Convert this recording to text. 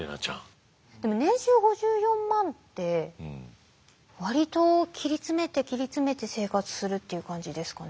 でも年収５４万って割と切り詰めて切り詰めて生活するっていう感じですかね？